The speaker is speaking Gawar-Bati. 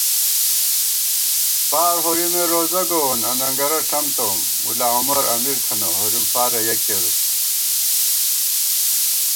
فار ہورِمے روزہ گووون اننگرہ ݪَم تَوُم * ملا عمر امیر تھنہ ہورِم فارہ یَک کېرُس